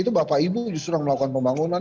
itu bapak ibu justru melakukan pembangunan